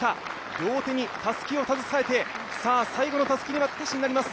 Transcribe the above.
両手にたすきを携えて最後のたすき渡しになります。